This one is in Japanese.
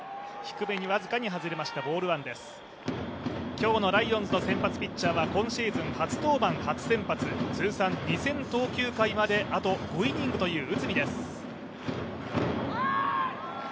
今日のライオンズの先発ピッチャーは今シーズン、初登板・初先発、通算２０００投球回まで５イニングという内海です。